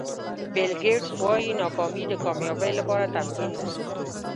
بیل ګېټس وایي ناکامي د کامیابۍ لپاره تمرین دی.